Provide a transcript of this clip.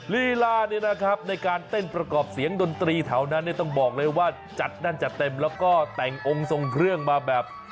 ลีลาเนี่ยนะครับในการเต้นประกอบเสียงดนตรีแถวนั้นเนี่ยต้องบอกเลยว่าจัดแน่นจัดเต็มแล้วก็แต่งองค์ทรงเครื่องมาแบบ